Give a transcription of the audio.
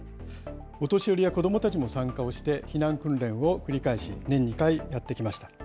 お年寄りや子どもたちも参加をして、避難訓練を繰り返し、年２回やってきました。